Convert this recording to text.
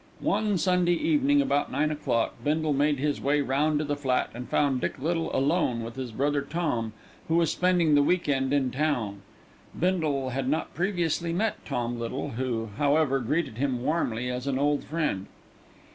One Sunday evening, about nine o'clock, Bindle made his way round to the flat, and found Dick Little alone with his brother Tom, who was spending the week end in town. Bindle had not previously met Tom Little, who, however, greeted him warmly as an old friend.